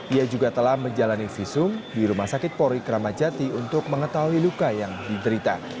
ia juga telah menjalani visum di rumah sakit polri kramajati untuk mengetahui luka yang diderita